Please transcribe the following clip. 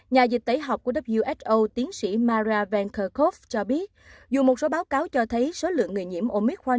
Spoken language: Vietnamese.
nhà dịch tẩy học của who tiến sĩ mara van kerkhove cho biết dù một số báo cáo cho thấy số lượng người nhiễm omicron